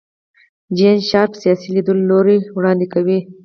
جین شارپ سیاسي لیدلوری وړاندې کوي.